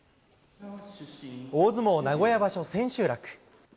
大相撲名古屋場所千秋楽。